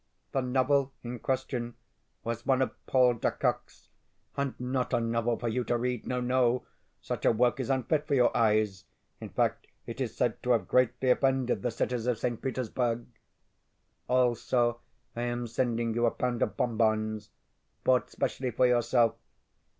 The novel in question was one of Paul de Kock's, and not a novel for you to read. No, no! Such a work is unfit for your eyes. In fact, it is said to have greatly offended the critics of St. Petersburg. Also, I am sending you a pound of bonbons bought specially for yourself.